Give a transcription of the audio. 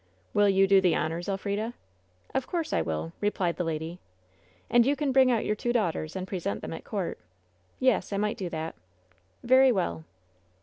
"Will you do the honors, Elf rida ?" "Of course I will," replied the lady. "And you can bring out your two daughters, and pre sent them at court." "Yes, I might do that." "Very well."